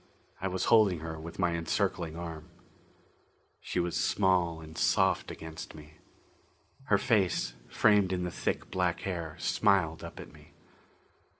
I was holding her with my encircling arm. She was small and soft against me. Her face, framed in the thick, black hair, smiled up at me.